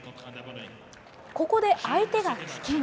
ここで相手が棄権。